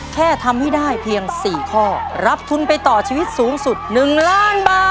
แค่ทำให้ได้เพียง๔ข้อรับทุนไปต่อชีวิตสูงสุด๑ล้านบาท